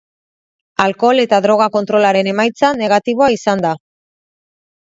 Alkohol eta droga kontrolaren emaitza negatiboa izan da.